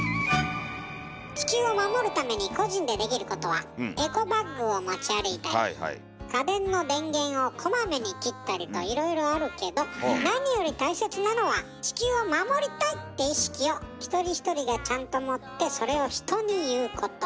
地球を守るために個人でできることはといろいろあるけど何より大切なのは「地球を守りたい」って意識を一人一人がちゃんと持ってそれを人に言うこと。